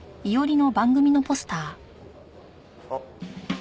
あっ！